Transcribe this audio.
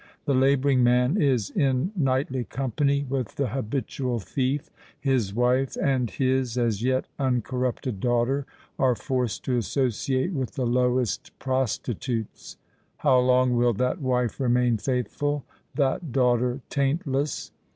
The labouring man is in nightly company with the habitual thief—his wife and his as yet uncorrupted daughter are forced to associate with the lowest prostitutes. How long will that wife remain faithful—that daughter taint less?